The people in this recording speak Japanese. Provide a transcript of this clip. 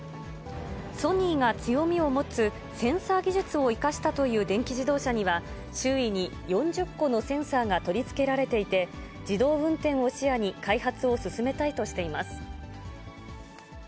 ソニーが強みを持つ、センサー技術を生かしたという電気自動車には、周囲に４０個のセンサーが取り付けられていて、自動運転を視野に、開発を進めたいとしています。